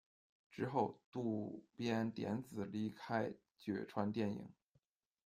之后渡边典子离开角川电影。